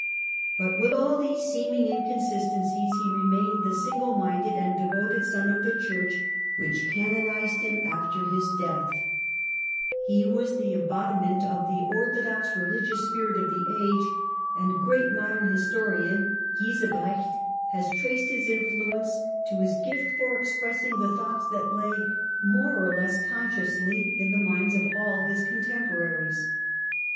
But with all these seeming incon sistencies he remained the single minded and devoted eon of the Church which canonized him after his death. I THE TWELFTH CENTURY RENAISSANCE 117 e was the embodiment of the orthodox religious spirit of the age, and a great modern historian (Giesebrecht) has traced his influence to his gift for expressing the thoughts that lay, more or less consciously, in the minds of all his contemporaries.